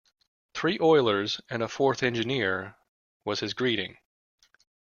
Three oilers and a fourth engineer, was his greeting.